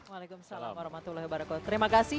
waalaikumsalam warahmatullahi wabarakatuh terima kasih